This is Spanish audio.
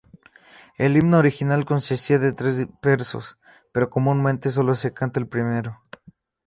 El himno original consistía de tres versos, pero comúnmente solo se canta el primero.